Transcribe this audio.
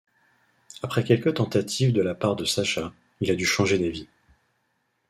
Après quelques tentatives de la part de sacha, il a dû changer d'avis.